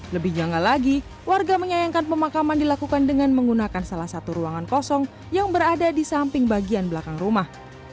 lebih janggal lagi warga menyayangkan pemakaman dilakukan dengan menggunakan salah satu ruangan kosong yang berada di samping bagian belakang rumah